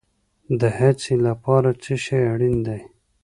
د هڅې لپاره څه شی اړین دی؟